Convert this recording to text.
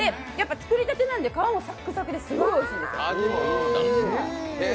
作りたてなので、皮もサックサクですごいおいしいんです。